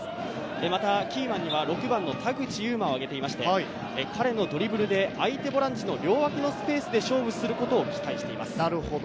またキーマンには６番の田口裕真をあげていまして、彼のドリブルで相手ボランチの両脇のスペースで勝負することを期待しています。